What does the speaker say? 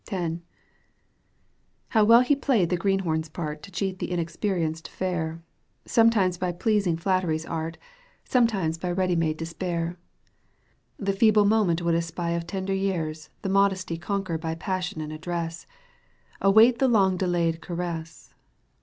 How well he played the greenhorn's part To cheat the inexpeiiienced fair. Sometimes by pleasing flattery's art, Digitized by CjOOQ 1С CANTO I. EUGENE ONiEGUINE. Sometimes by ready made despair ; The feeble moment would espy Of tender years the modesty Conquer by passion and address, Await the long delayed caress.